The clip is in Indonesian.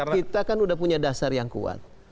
kita kan sudah punya dasar yang kuat